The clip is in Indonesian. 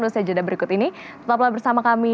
usai jeda berikut ini tetaplah bersama kami